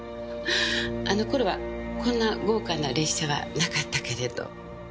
あの頃はこんな豪華な列車はなかったけれど。